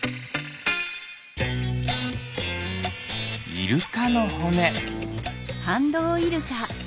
イルカのほね。